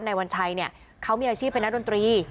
นายวรชัยนะเขามีอาชีพเป็นนักดนตรี